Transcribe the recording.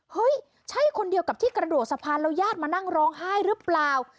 เฮ้ยใช่คนเดียวกับที่กระโดดสะพานแล้วญาติมานั่งร้องไห้หรือเปล่า